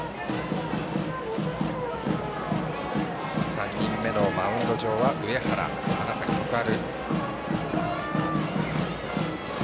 ３人目のマウンド上は上原花咲徳栄。